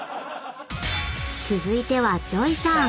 ［続いてはＪＯＹさん］